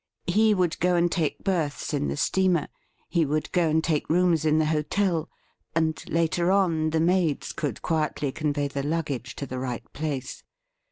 He would go and take berths in the steamer — he would go and take rooms in the hotel; and later on the maids could quietly convey the luggage to the right place.